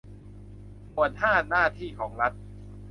หมวดห้าหน้าที่ของรัฐ